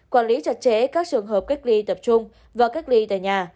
quản lý chặt chẽ các trường hợp cách ly tập trung và cách ly tại nhà